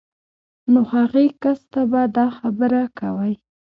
نو هغې کس ته به دا خبره کوئ